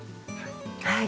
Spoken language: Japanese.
はい。